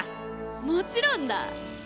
もちろんだ！